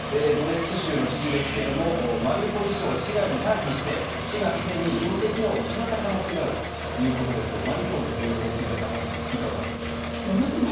ドネツク州の知事ですがマリウポリ市長が市街に退避して市がすでに行政機能を失った可能性があるということですがマリウポリの現状については高橋さんいかがでしょうか。